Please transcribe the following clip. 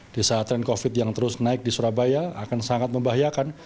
di saat tren covid yang terus naik di surabaya akan sangat membahayakan